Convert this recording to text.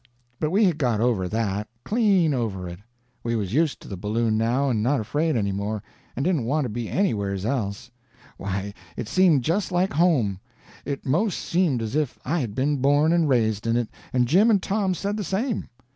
But we had got over that—clean over it. We was used to the balloon now and not afraid any more, and didn't want to be anywheres else. Why, it seemed just like home; it 'most seemed as if I had been born and raised in it, and Jim and Tom said the same.